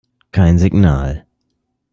Kein Signal.